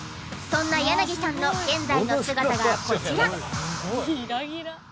そんな柳さんの現在の姿がこちら。